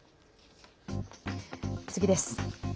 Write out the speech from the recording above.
次です。